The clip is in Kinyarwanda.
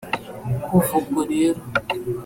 Kuva ubwo rero